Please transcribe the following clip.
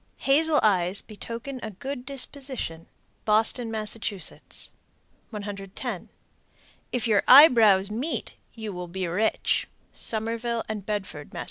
Hazel eyes betoken a good disposition. Boston, Mass. 110. If your eyebrows meet, you will be rich. _Somerville and Bedford, Mass.